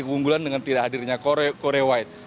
kebunggulan dengan tidak hadirnya core white